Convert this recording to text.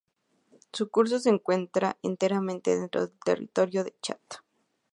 Su curso se encuentra enteramente dentro del territorio de Chad.